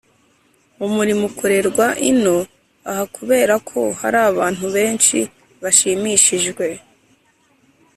Umurimo Ukorerwa Ino Aha Kubera Ko Hari Abantu Benshi Bashimishijwe